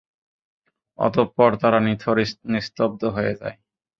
অতঃপর তারা নিথর নিস্তব্ধ হয়ে যায়।